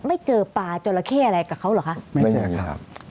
ไม่เจอปลาจนละเข้ออะไรกับเขาหรือคะ